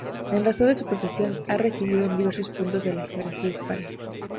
En razón de su profesión ha residido en diversos puntos de la geografía hispana.